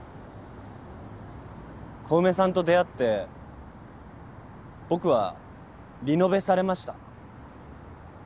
小梅さんと出会って僕はリノベされました。